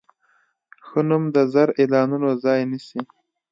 ښه نوم د زر اعلانونو ځای نیسي.